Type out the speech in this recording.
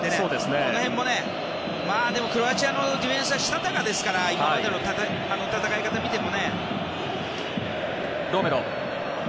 この辺も、でもクロアチアのディフェンスはしたたかですから今までの戦い方を見ても。